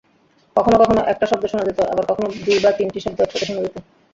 কখনও কখনও একটা শব্দ শোনা যেত, আবার কখনও দুই বা তিনটি শব্দ একসাথে শোনা যেত।